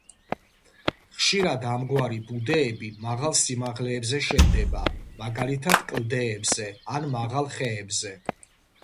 ხშირად ამგვარი ბუდეები მაღალ სიმაღლეებზე შენდება, მაგალითად კლდეებზე ან მაღალ ხეებზე.